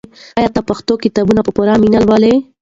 آیا ته پښتو کتابونه په پوره مینه لولې؟